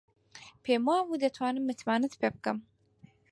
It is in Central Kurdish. پێم وابوو دەتوانم متمانەت پێ بکەم.